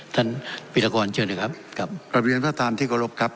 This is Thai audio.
ท่านวิรากรเชิญหน่อยครับครับปราบเรียนพระธานที่กรบครับ